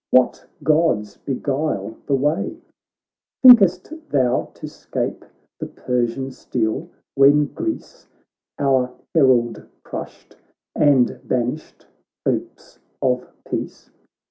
What Gods beguile the way? THE BATTLE OF MARATHON Think'st thou to 'scape the Persian steel, when Greece Our herald crushed, and banished hopes of peace